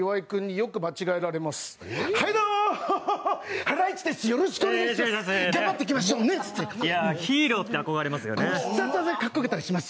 よろしくお願いします。